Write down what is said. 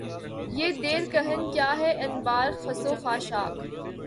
یہ دیر کہن کیا ہے انبار خس و خاشاک